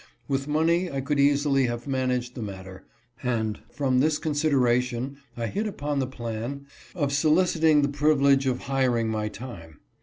With money I could easily have managed the matter, and from this considera tion I hit upon the plan of soliciting the privilege of hiring my time.